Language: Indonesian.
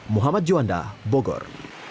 muhammad juanda bogor